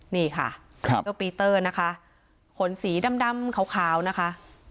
นี่ค่ะเจ้าปีเตอร์นะคะขนสีดำขาวนะคะ